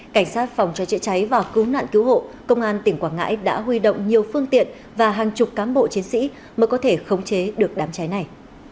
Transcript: cảnh sát phòng cho chế cháy và cứu nạn cứu hộ công an tỉnh quảng ngãi đã huy động nhiều phương tiện và hàng chục cán bộ chiến sĩ mới có thể khống chế được đám cháy này